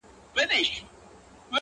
کرۍ شپه به وه پرانیستي دوکانونه!.